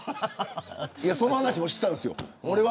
その話もしていたんですよ。